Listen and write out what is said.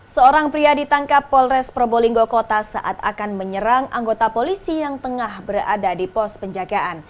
seorang pria ditangkap polres probolinggo kota saat akan menyerang anggota polisi yang tengah berada di pos penjagaan